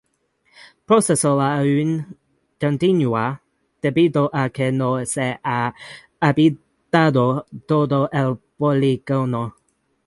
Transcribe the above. Proceso que aún continúa debido a que no se ha habitado todo el polígono.